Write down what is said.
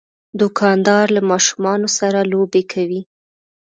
دوکاندار له ماشومان سره لوبې کوي.